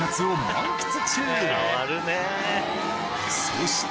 そして